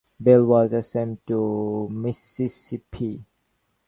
Bell was assigned to Mississippi.